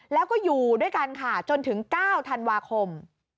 แล้วก็อยู่ด้วยกันค่ะจนถึง๙ธันวาคม